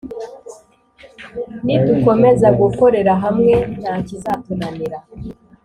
Nidukomeza gukorera hamwe ntakizatunanira